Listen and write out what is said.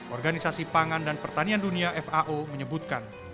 organisasi pangan dan pertanian dunia fao menyebutkan